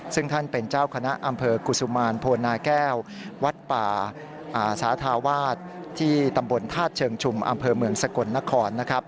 ซึ่งท่านเป็นเจ้าคณะอำเภอกุศุมารโพนาแก้ววัดป่าสาธาวาสที่ตำบลธาตุเชิงชุมอำเภอเมืองสกลนครนะครับ